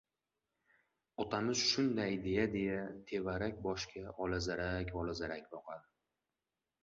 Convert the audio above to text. Otamiz shunday deya-deya, tevarak-boshga olazarak-olazarak boqadi.